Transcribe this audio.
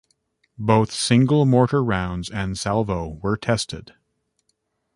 Both single mortar rounds and salvo were tested.